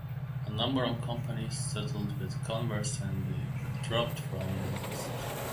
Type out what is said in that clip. A number of companies settled with Converse and they were dropped from the list.